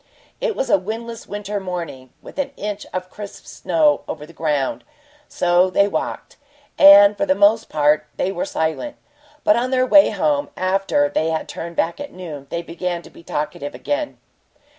It was a windless winter morning, with an inch of crisp snow over the ground. So they walked, and for the most part they were silent, but on their way home, after they had turned back at noon, they began to be talkative again.